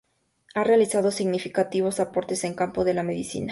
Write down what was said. Ha realizado significativos aportes en el campo de la medicina.